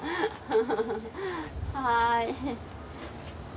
はい。